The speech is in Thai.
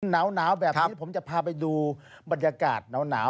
หนาวแบบนี้ผมจะพาไปดูบรรยากาศหนาว